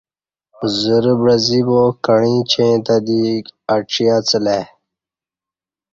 زرہ بعزی با کعیں اچین تہ دی اڄی اڅہ لای